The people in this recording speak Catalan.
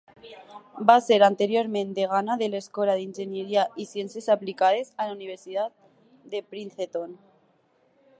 Va ser anteriorment degana de l'Escola d'Enginyeria i Ciències Aplicades a la Universitat de Princeton.